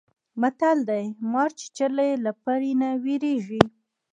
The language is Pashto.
متل دی: مار چیچلی له پړي نه وېرېږي.